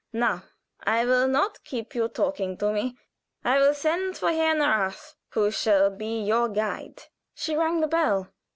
Now I will not keep you talking to me. I will send for Herr Nahrath, who shall be your guide." She rang the bell.